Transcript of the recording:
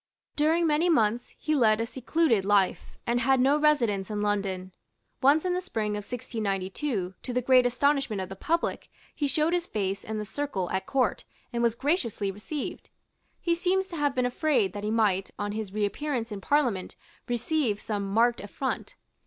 During many months be led a secluded life, and had no residence in London. Once in the spring of 1692, to the great astonishment of the public, he showed his face in the circle at Court, and was graciously received. He seems to have been afraid that he might, on his reappearance in Parliament, receive some marked affront.